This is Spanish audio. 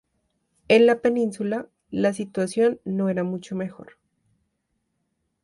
En la península, la situación no era mucho mejor.